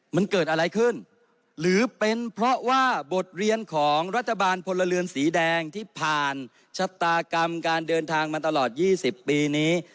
มันเกิดอะไรขึ้นหรือเป็นเพราะว่าบทเรียนของรัฐบาลพลเรือนสีแดงที่ผ่านชะตากรรมการเดินทางมาตลอด๒๐ปีนี้